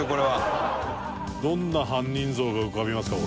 どんな犯人像が浮かびますか？